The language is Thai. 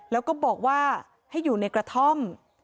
แล้วก็บอกว่าให้อยู่ในกระท่อม